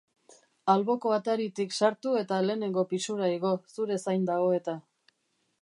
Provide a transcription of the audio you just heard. Alboko ataritik sartu eta lehenengo pisura igo, zure zain dago eta.